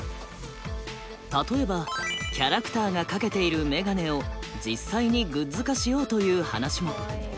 例えばキャラクターがかけているメガネを実際にグッズ化しようという話も。